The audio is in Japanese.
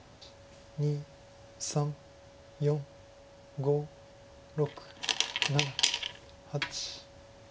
２３４５６７８。